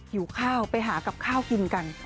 หิวข้าวไปหากับข้าวกินกัน